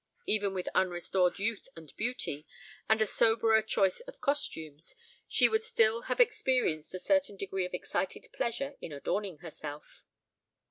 Even with unrestored youth and beauty, and a soberer choice of costumes, she would still have experienced a certain degree of excited pleasure in adorning herself.